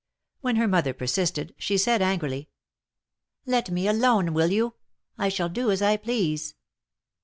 When her mother persisted, she said, angrily : Let me alone, will you ? I shall do as I please